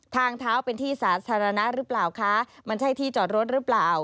ทางเท้าเป็นที่สาธารณะหรือเปล่าคะมันใช่ที่จอดรถหรือเปล่า